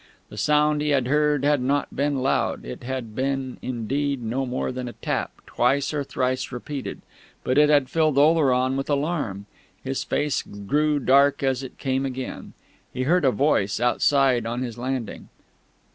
The sound he had heard had not been loud it had been, indeed, no more than a tap, twice or thrice repeated but it had filled Oleron with alarm. His face grew dark as it came again. He heard a voice outside on his landing.